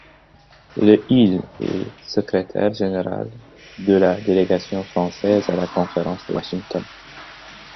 Le il est secrétaire général de la délégation française à la conférence de Washington.